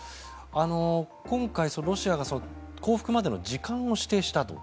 今回、ロシアが降伏までの時間を指定したと。